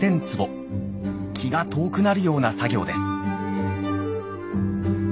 気が遠くなるような作業です。